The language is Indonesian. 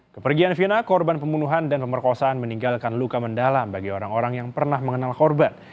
kepergian fina korban pembunuhan dan pemerkosaan meninggalkan luka mendalam bagi orang orang yang pernah mengenal korban